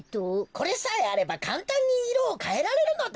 これさえあればかんたんにいろをかえられるのだ。